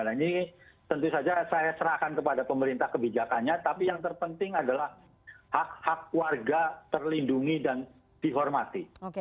nah ini tentu saja saya serahkan kepada pemerintah kebijakannya tapi yang terpenting adalah hak hak warga terlindungi dan dihormati